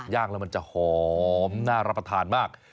ย่างแล้วมันจะหอมน่ารับประทานมาก